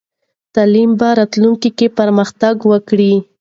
تعلیم به راتلونکې کې پرمختګ وکړي.